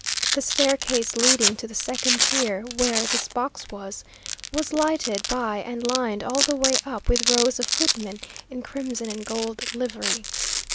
The staircase leading to the second tier where this box was, was lighted by and lined all the way up with rows of footmen in crimson and gold livery.